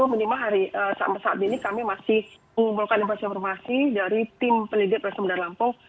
menimah hari saat saat ini kami masih mengumpulkan informasi dari tim penelitian perusahaan bandar lampung